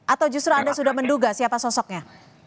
atau justru anda sudah menduga siapa sosoknya